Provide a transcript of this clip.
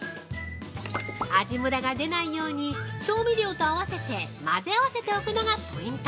味むらが出ないように調味料と合わせて混ぜ合わせておくのがポイント。